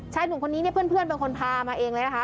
หนุ่มคนนี้เนี่ยเพื่อนเป็นคนพามาเองเลยนะคะ